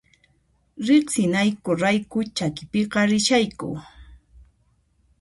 Riqsinayku rayku chakipiqa rishayku